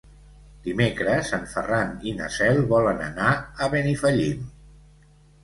Dimecres en Ferran i na Cel volen anar a Benifallim.